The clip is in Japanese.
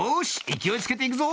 勢いつけて行くぞ